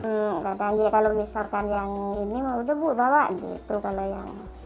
enggak banjir kalau misalkan yang ini mah udah bu bawa gitu kalau yang